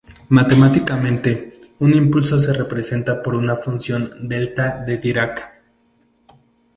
Matemáticamente, un impulso se representa por una función Delta de Dirac.